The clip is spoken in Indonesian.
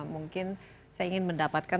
mungkin saya ingin mendapatkan